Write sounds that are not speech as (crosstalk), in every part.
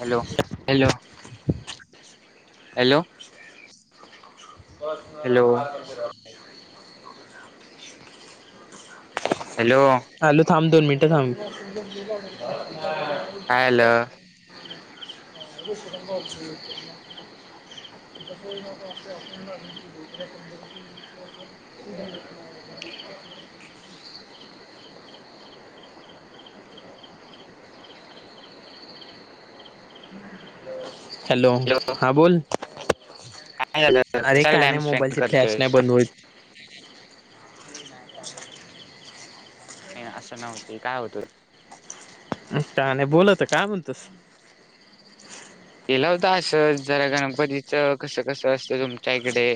Hello hello hello. बस ना hello हार पण रा (unintelligible) हॅलो आलो थांब दोन मिनिटं थांब. काय आलं. ख (unintelligible) आप (unintelligible) (inaudible) हॅलो हा बोल. काय झालं अरे कशाला काय टाइम नाही स्पेंड मोबाईलची फ्लॅश नाही करतोयस बनवत. ये असं नव्हती काय होत. आत्ता आणि बोल आता काय म्हणतस. गेला होता, असंच जरा गणपतीच कसं कसं असतं तुमच्या इकडे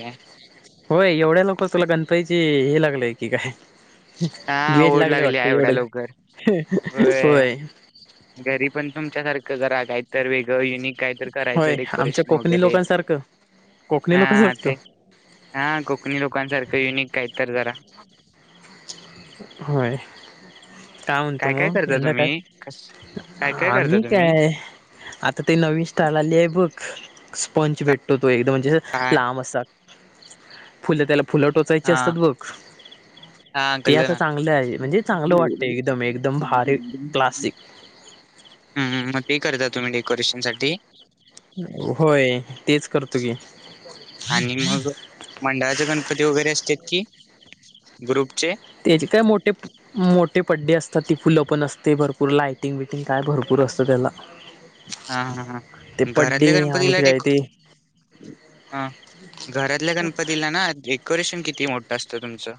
होय एवढ्या लोक तुला गणपतीची हे लागलय की काय. हा वेड ओढ लागले लागली आहे वाटते एवढ्या एवढं लवकर हम्म हम्म होय. घरी पण तुमच्यासारखं जरा काही तर वेगळं युनिक. काहीत करायचं होय आमच्या डेकोरेशन कोकणी वगैरे. लोकांसारखं कोकणी हा लोकांसारखं ते हा कोकणी लोकांसारखं युनिक काही तर जरा. होय काय म्हणतो मग करता यंदा काय. तुम्ही कस काय काय करता आम्ही तुम्ही काय आता ते नवीन स्टाईल आली आहे बघ पंच भेटतो तो एकदम म्हणजे काय लांब असा फुलं त्याला फुलं टोचायची असतात बघ. ते पल आता ना चांगलं आहे म्हणजे चांगलं वाटतं एकदम एकदम भारी क्लासिक (unintelligible) हम्म मग ते करता तुम्ही डेकोरेशनसाठी होय तेच करतो की आणि मग मंडळाचे गणपती वगैरे असत की ग्रुपचे त्याचे काय मोठे मोठे पडदे असतात ती फुलं पण असते भरपूर लायटिंग बटिंग काय भरपूर पूर असत त्याला हा हा हा ते पड्डे घरातल्या आम्ही गणपतीला ते काय डेको ते हा घरातल्या गणपतीला ना डेकोरेशन किती मोठ असत तुमचं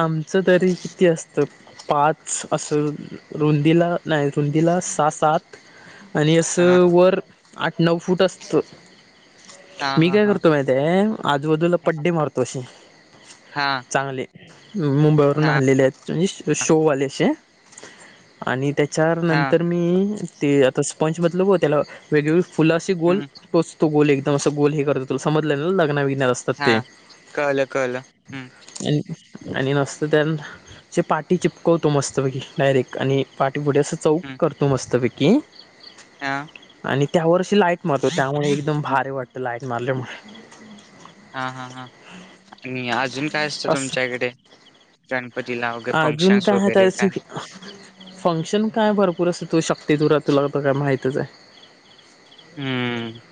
आमचं तरी किती असतं पाच असं रुंदीला नाही रुंदीला सहा-सात आणि हां, असं वर आठ-नऊ फूट असतं हां, मी हां, काय हां. करतो माहित आहेय आजूबाजूला पड्डे मारतो अशे हां, चांगले मुंबईवरून हां, आणलेले आहेत म्हणजे शोवाले असे आणि हां. त्याच्यानंतर मी ते आता स्पंज म्हणालो बग त्याला वेगवेळ फुलाशी गोल हं, टोचतो गोल एकदम अस गोल हे करततो तुला समजलना लग्नामध्ये हा कळल कळल हम्म आणि नसत त्या पाटी चिपकवतो मस्त पैकी डायरेक्ट आणि बुडे असं चौक करतो मस्तपैकी हा आणि त्यावर्षी लाईट मारतो त्यामुळे एकदम भारी वाटत ते लाईट मारल्यामुळे हां, हां, हां. आणि अजून काय असतं असं तुमच्याकडे अजून काय त्या फंक्शन काय भरपूर अस तो शकत ते दुरा तूला माहीतच आहे हम्म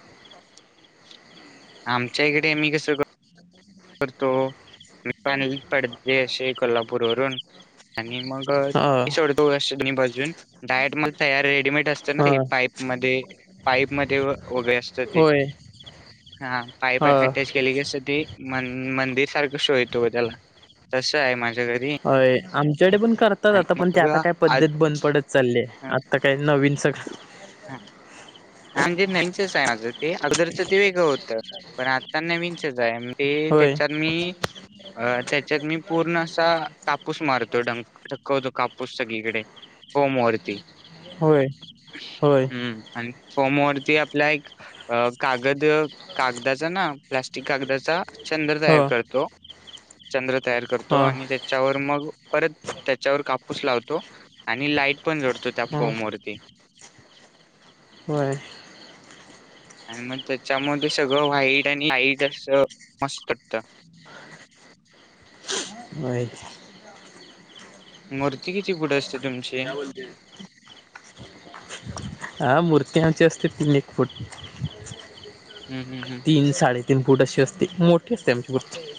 आमच्या इकडे मी कस करतो मी पण हे‌ पडदे ष कोल्हापूर वरून आणि मग ह सोडतो असं दोन्ही बाजूंन डायट मग तयार रेडीमेड असत ना ह हे पाईप मध्ये ते पाईप मध्ये वगैरे असत ते होय हा पाईप ह अटॅच केलेली असते ते म मंदिर सारखं शोयतो त्याला तस आहे माझ्या घरी होय आमच्याकडे पण करतात आता आणि पण ते मग आता काय आज पद्धत बंद पडत चालली हा आता काही न स हा. हा म्हणजे नेंचच आहे माझं ते अगोदरचं ते वेळं होतं पण आता नविनचच आहे ते होय त्याच्यात मी अ त्याच्यात मी पूर्ण असा कापूस मारतो डकामधुन पुससगळीकडे फमवरती होय होय हम्म आणि फॉर्म वरती आपला एक कागद कागदाचा ना प्लास्टिक कागदाचा चंद्र हो तयार करतो चंद्र तयार करतो हो आणि त्याच्यावर मग परत त्याच्यावर कापूस लावतो आणि लाईट पण जडतो त्या हो फोम वरती होय आणि मग त्याच्यामध्ये सगळं व्हाईट आणि लाईट अस मस्त वाटत (inaudible) होय मूर्ती किती फुट असते तुमची हा मूर्ती आमची असते तीन एक फूट हम्म हम्म हम्म साडेतीन तीन फूट अशी असते मोठी असते आमची मूर्ती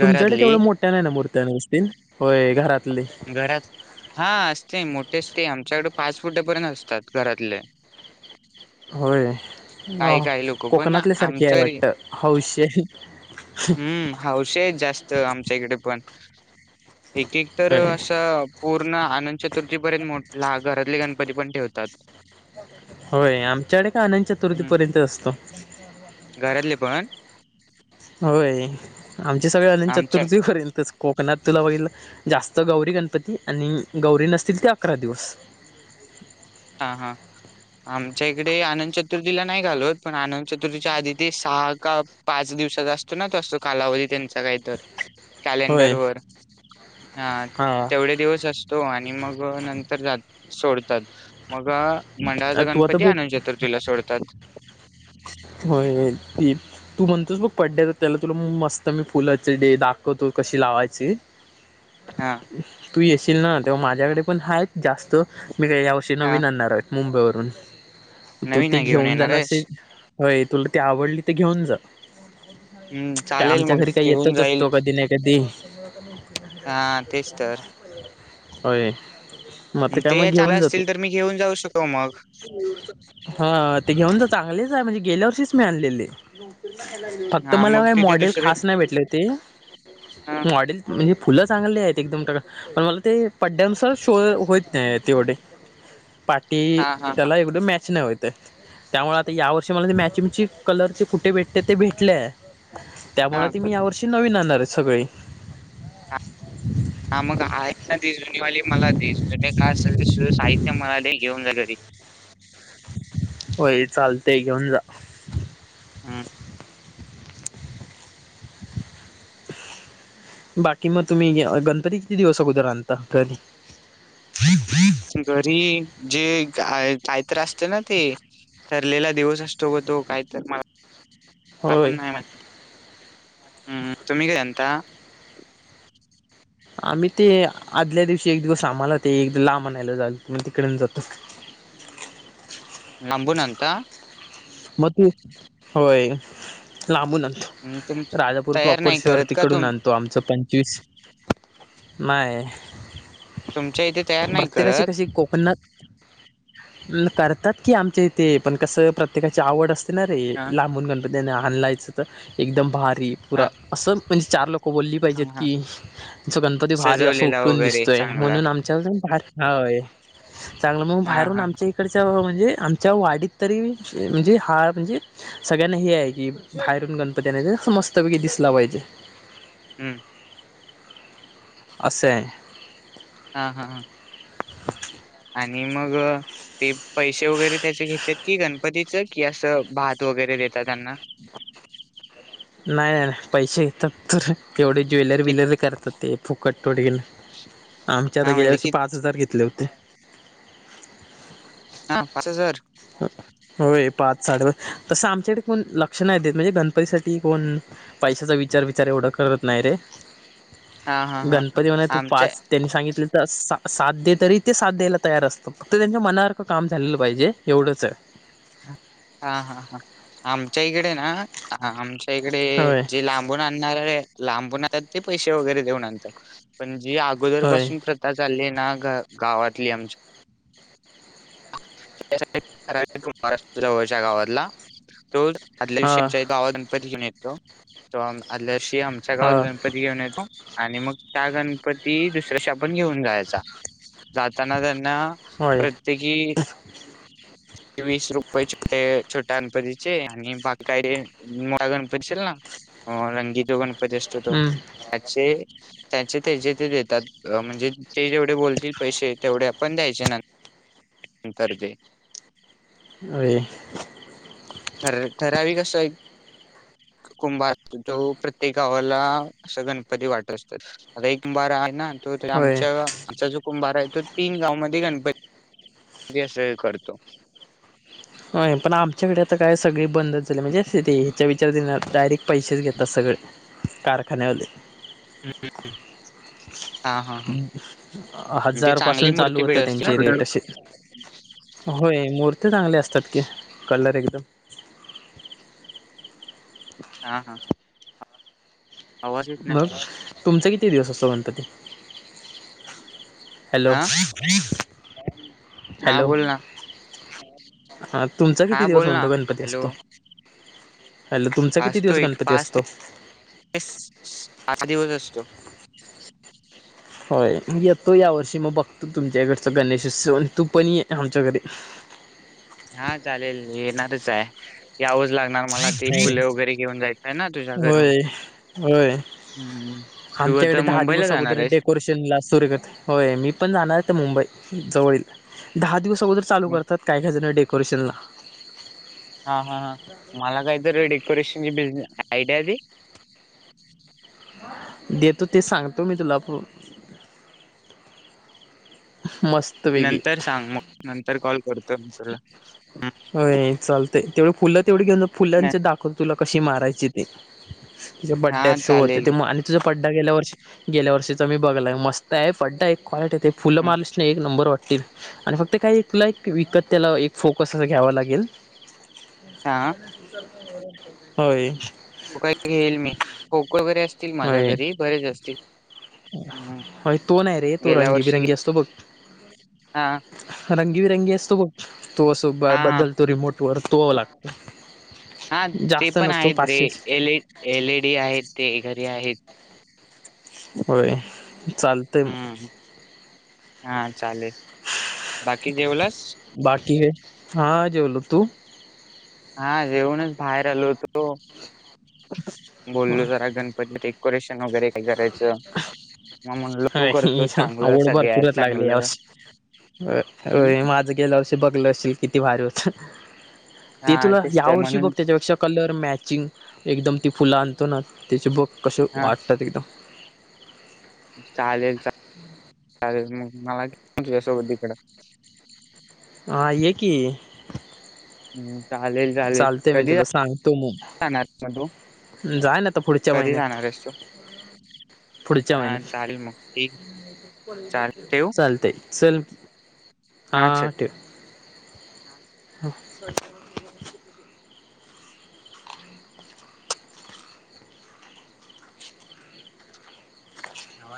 तुमच्याकडे तेवढ मोठ्या नाही ना मूर्ती नसतील होय घरात घरात हा मोठेच ते आमच्याकडे पाच फुट पर्यंत असतात घरातले होय अ काही काही लोक पण कोकणातल्या सारखी आहे आमच्या घरी वाटत हौशे हम्म हाौशी हायत जास्त आमच्या इकडे पण एक एक तर होय असं पूर्ण आनंतचतुर्थी पर्यंत मोठ घरातले गणपती पण ठेवतात होय आमच्याकडे का आनंतचतुर्थी हम्म पर्यंत असतो घरातले पण होय आमचे सगळे आमच्या अनंतचतुर्थी पर्यंतच कोकणात तुला बघितलं जास्त गौरी गणपती आणि गौरी नसतील ते अकरा दिवस हा हा आमच्या इकडे अनंतचतुर्थीला नाही घालवत पण आनंतचतुर्थीच्या आधी ते सहा का पाच दिवस असतो ना तस कालावधी त्यांचा काहीतर कॅलेंडर होय वर हा हा तेवढे दिवस असतो आणि मग नंतर जात सोडतात मग मंडळाचा तू आता गणपती बघ आनंतचतुर्थी ला सोडतात (inaudible) होय ते तू म्हणतोस मग पड्ड्या (unintelligible) त्याला तुला मग मस्त मी फुलाच डे दाखवतो कशी लावाची हा तू येशील ना तेव्हा माझ्याकडे पण हायत जास्त मी काही यावर्षी हा. नवीन आणणार आहेत मुंबईवरून तू नवीन ते आहे घेऊन येणार जाण असे आहेस होय तुला ती आवडली तर घेऊन जा हम्म चालेल आमच्या मग घरी काही घेऊन येतच जाईल असतो कधी ना कधी हा तेच तर होय मग आता काय ते मग चांगलं घेऊन जातो असतील तर मी घेऊन जाऊ शकतो मग हा ते घेऊन जा चांगलेच आहे म्हणजे गेल्या वर्षीच मी आणलेले फक्त हा मला मग काही तिथे मॉडेल दुसरे खास नाही भेटले ते हा मॉडेल म्हणजे फुलं चांगले आहेत एकदम कडक पण मला ते पड्ड्या नुसार शो होत नाही तेवढी पार्ट हा हा हा त्याला एवढ मॅच नाही होत त्यामुळे आता या वर्षी मला ते मॅचिंगची कलर जे कुठे भेटते ते भेटले आहे त्यामुळ हा. ती मी यावर्षी नवीन आणणार आहे सगळी हा मग आहेत ना ती जुनी वाली मला दे जुने काय अस साहित्य मला दे घेऊन जा घरी होय चालते घेऊन जा हम बाकी मग तुम्ही गणपती किती दिवस अगोदरता घरी. घरी जे आहे. काहीत असते ना ते ठरलेला दिवस असतो ग तो काहीत मला. का होय पण नाही म्ह. हम्म तुम् ग एंत. आम्ही ते आदल्या दिवशी एक दिवस आम्हाला ते एक ला म्हणायला जालही तिकडेून जातो. नबुनंत. मग त होय लांब न. हम्म तुम राजापूर तयार प्रॉपर नाही शहर करत का तिकडून तुम आणतो आमच प. पचवीस मे. तुमच्या इथे तयार नाही प्रत्येकाची करत कशी कोकणात. करतात कि आमच्या इथे पण कसं प्रत्येकाची आवड असते. रे हा लांबून गणपती आणलायचं तर एकदम भारी पुरा हा असं म्हणजे चार लोक. लक बोलली हा पाहिजेत हा कीचं गणपती भारी असं सजवलेला उठून वगैरे दिसतोय चांगला म्हणून आमच्या भार. हय चांगलं मग हा हा बाहेरून हा. आमच्या इकडच्या म्हणजे आमच्या वाडीत तरी. म्हणजे हा म्हणजे सगळ्यांना हे आहे की बाहेरून गणपतीना स मस्तपैकी दिसला पाहिजे. ग हम्म. असशे. हा हा हा आणि मग ते पैसे वगैरे त्याचे घेतात कि गणपतीचं कि असं. भात वगैरे देतात त्यांना. नाही नाही नाही पैसे येतात तर. तेवढे ज्वेलर कि विलर करतात ते फुकट तोडगन. आमच्या आता हा गेल्या म्हणजे वर्षी कि पाच हजार घेतले होते. हा पाच हजार. होय पाच साडे तसं आमच्याकडे कोण लक्ष नाही देत म्हणजे गणपतीसाठी. ती कोण पैशाचा विचार विचार एवढा करत नाही रे. हा हा हा गणपती म्हणा तू आमच्या पाच त्यांनी सांगितले. सा साथ दे तरी ते साथ द्यायला तयार असतं फक्त त्यांच्या मनासारखं काम झालेलं पाहिजे. एवढंच आहे. हा हा हा आमच्या इकडे ना. हा आमच्या इकडे होय जे लांबून आणणार आहे. लांबून आणतात ते पैसे वगैरे देऊन आणतात पण जी अगोदर होय पासून प्रथा चालली आहे. ना ग गावातली आमच्या. महाराष्ट्र जवळच्या गावातला तो. आदल्या दिवशीी हां आमच्या गावात गणपती घेऊन येतो तो आदल्या दिवशी आमच्या गावात हां गणपती घेऊन येतो. आणि मग त्या गणपती दुसरा्या शब्द. पण घेऊन जायचा जाताना त्यांना. प्रत्येकी अ. वीस रुपये छोटे छोट्या गणपतीचे आणि बा काय मुळ गणपतीचे ना. रंगी जो गणपती असतो तो त्याचे. त्याचे ते देतात म्हणजे ते जेवढे बोलतील पैसे तेवढे पण द्यायचे ना. ंतजे. (unintelligible) होय ठर ठरावी कस आहे. कुंभार असतो तो प्रत्येक गावाला असं गणपती वाटत असतात आता एक कुंभार आहे ना. त होय आमच्या आमचा जो कुंभार आहे तो तीन गावमध्ये गणपती. स करतो. हो पण आमच्याकडे आता काय सगळी बंदच झाली म्हणजे ह्याच्या विचारणार. डायरेक्ट पैसेच घेतात सगळे कारखान्यामध्ये. हम् हा हा हा म्हणजे हजार चांगली पाासून चालू मूर्ती होतं भेटत असतील ना त्यांचे तिकडे रेट असे होय मूर्ती चांगली असतात की कलर एकदम हा हा आवाज येत नाही मग तुमचा किती दिवस असतो गणपती हॅलो हा हा बोल ना हा तुमचा किती हा दिवस बोल ना म्हणतो गणपती हॅलो असतो हॅलो तुमचा किती असतो दिवस एक गणपती असतो आठ दिवस असतो होय येतो या वर्षी मग बघतो तुमच्याकडचा गणेशोत्सव आणि तू पण आहे आमच्या घरी हा चालेल येणारच आहे यावंच लागणार मला ते फुले वगैरे घेऊन जायचंय ना तुझ्या घरून होय होय होय. हम्म तू आता आमच्याकडे दहा मुंबईला दिवस अगोदर जाणार आहेस डेकोरेशन ला सुरू करत होय मी पण जाणारते मुंबई जवळील दहा दिवस अगोदर चालू करतात काय काय जण डेकोरेशनला हा हा ह मला काहीत डेकोरेशनची बिझने आयडिया दे देतो ते सांगतो मी तुला मस्त वेगळी नंतर सांग मग नंतर कॉल करतो मी तुला ह होय चालतंय तेवढी फुलं तेवढी घेऊन फुलांचे दाखवत तुला कशी मारायची ते तुझे हा बड्डेअर शो होते चालेल ते आणि तुझ पड्डा गेल्या वर्ष गेल्या वर्षीचा मी बगला आहे मत आहे बड्डा एक कॉलिटी आहे ते फुलं हम्म. मार्श नाही एक नंबर वाटत आणि फक्त काही एक तुला एक विकत त्याला एक फोकस असं घ्यावां लागेल हा होय त काही घेल मी खो खो वगैरे असतील माझ्या घरी बरेच असतील हम्म. हो तो नाही रे तो गेल्या रंगी वर्षी घे- बिरंगी असतो बघ हा रंगीबिरंगी असतो बघ तो असो हा हा बद्दल तो रिमोट वर तो लागतो हा ते जास्त पण नसतो आहेत रे पाचशेच एल एलईडी आहेत ते घरी आहेत होय चालतं मग हम्म हा चालेल बाकी जेवलास बाकी हा जेवलो तू. हा जेऊणच बाहेर आलो होतो बोललो जरा गणपती. डेकोरेशन वगैरे काही करायचं. मग म्हणल तू करतोस चांगलं आवड सगळ्यात चांगलं. हो हम्म माझं गेलं अष बघलं असेल किती भार होत ते हा तुला तेच तर या्यावर्षी बघ म्हणून त्याच्यापेक्षा कलर मॅचिंग एकदम ती फुलां. तातून त्याचे बुक कस हा वाटात एकदम. चालेल. चालेल मग मला यासोबत तिकड. हा ये की. हम्म चालेल चालेल चालते मी कधी तुला जाणार म तू. जा ना आता पुढच्या कधी महिन्यात. जाणार आहेस तू पुढच्या हा महिन्यात चालेल मग ठीक चालेल ठेवू चालतय. सल्फ ह हा चल ट (unintelligible) ह (unintelligible)